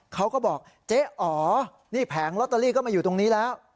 เขาก็บอกเจ๊อ๋อนี่แผงลอตเตอรี่ก็มาอยู่ตรงนี้แล้ว